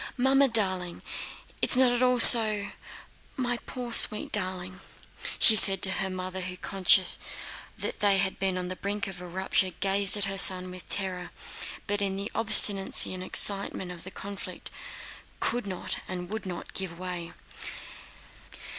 "Mamma darling, it's not at all so... my poor, sweet darling," she said to her mother, who conscious that they had been on the brink of a rupture gazed at her son with terror, but in the obstinacy and excitement of the conflict could not and would not give way.